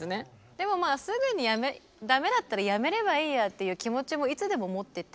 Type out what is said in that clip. でもまあすぐに駄目だったらやめればいいやっていう気持ちもいつでも持ってて。